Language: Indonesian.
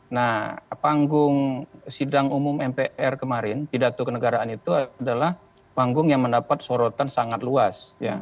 nah panggung sidang umum mpr kemarin pidato kenegaraan itu adalah panggung yang mendapat sorotan sangat luas